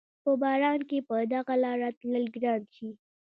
په باران کښې په دغه لاره تلل ګران شي